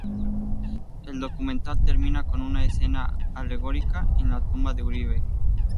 El documental termina con una escena alegórica en la tumba de Uribe.